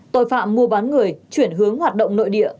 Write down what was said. tội phạm mua bán người chuyển hướng hoạt động nội địa